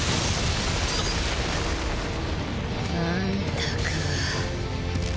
あんたかぁ。